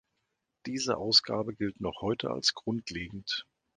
Diese Ausgabe gilt noch heute als grundlegend.